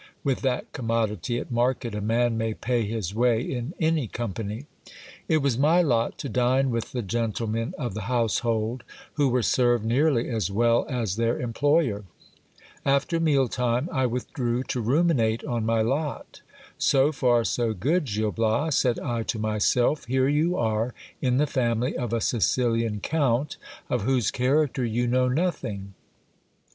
with that commodity at market, a man may pay his way in any company. It was my lot to dine with the gentlemen of the household, who were served nearly as well as their employer. After meal time I withdrew to ruminate on my lot. So far so good, Gil Bias ! said I to myself : here you are in the family of a Sicilian count, of whose character you know nothing.